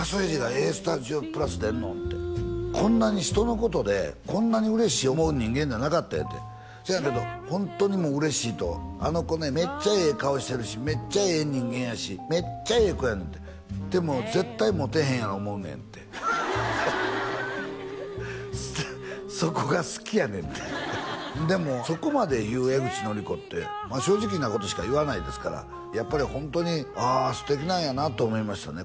赤楚衛二が「ＡＳＴＵＤＩＯ＋」出んの？ってこんなに人のことでこんなに嬉しい思う人間じゃなかったんやてせやけどホントにもう嬉しいとあの子ねめっちゃええ顔してるしめっちゃええ人間やしめっちゃええ子やねんてでも絶対モテへんやろ思うねんてそこが好きやねんってでもそこまで言う江口のりこって正直なことしか言わないですからやっぱりホントにああ素敵なんやなと思いましたね